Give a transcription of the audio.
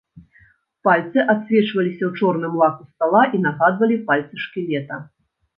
Пальцы адсвечваліся ў чорным лаку стала і нагадвалі пальцы шкілета.